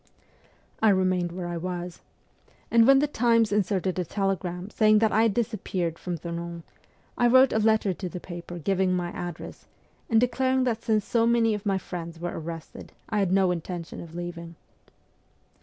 I remained where I was ; and when the ' Times ' inserted a telegram saying that I had disap peared from Thonon, I wrote a letter to the paper giving my address, and declaring that since so many of my friends were arrested I had no intention of leaving.